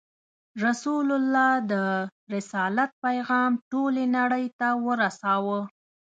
رسول الله د رسالت پیغام ټولې نړۍ ته ورساوه.